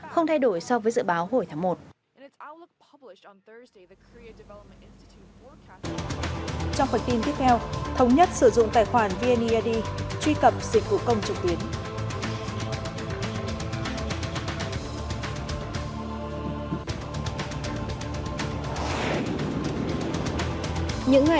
không thay đổi so với dự báo hồi tháng một